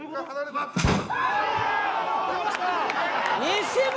西村！